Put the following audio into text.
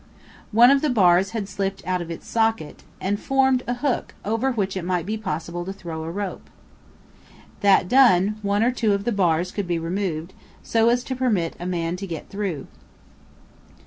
One of the bars had slipped out of its socket, and formed a hook over which it might be possible to throw a rope. That done, one or two of the bars could be removed, so as to permit a man to get through.